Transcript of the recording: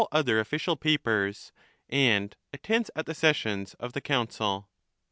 99 other official papers and attends at the sessions of the Council.